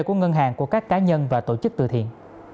của ngân hàng của các cá nhân và tổ chức từ thiện